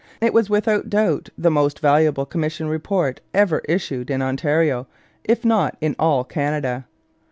It was without doubt the most valuable commission report ever issued in Ontario, if not in all Canada.